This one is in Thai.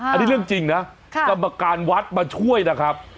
อันนี้เรื่องจริงนะกรรมการวัดมาช่วยนะครับ